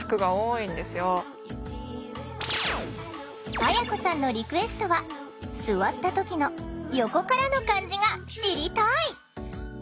あやこさんのリクエストは座った時の「横からの感じ」が知りたい！